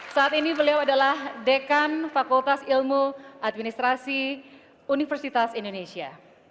saat ini beliau adalah dekan fakultas ilmu administrasi universitas indonesia